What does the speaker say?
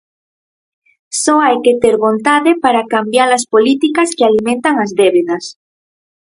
Só hai que ter vontade para cambia-las políticas que alimentan as débedas.